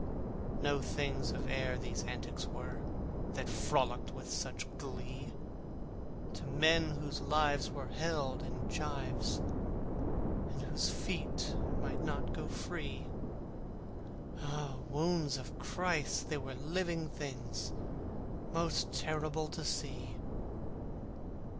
No things of air these antics were, That frolicked with such glee: To men whose lives were held in gyves, And whose feet might not go free, Ah! wounds of Christ! they were living things, Most terrible to see.